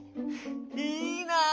いいな！